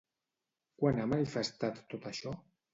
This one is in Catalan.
Quan ha manifestat tot això?